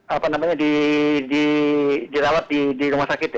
apa namanya dirawat di rumah sakit